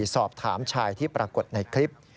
สอบถามชายที่ปรากฏในคลิป